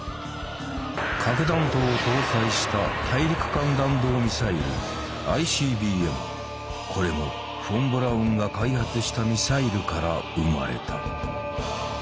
核弾頭を搭載したこれもフォン・ブラウンが開発したミサイルから生まれた。